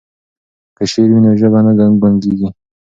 که شعر وي نو ژبه نه ګونګیږي.